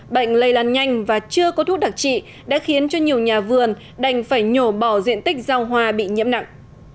bệnh lây lan nhanh và chưa có thuốc đặc trị đã khiến cho nhiều nhà vườn đành phải nhổ bỏ diện tích rau hoa bị nhiễm nặng